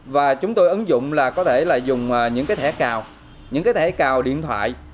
và chúng tôi ứng dụng là có thể là dùng những cái thẻ cào những cái thẻ cào điện thoại